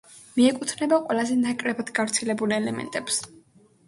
მიეკუთვნება ყველაზე ნაკლებად გავრცელებულ ელემენტებს.